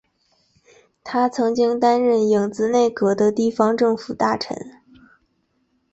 他曾经担任影子内阁的地方政府大臣。